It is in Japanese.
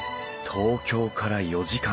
東京から４時間。